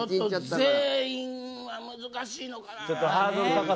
全員は難しいのかな。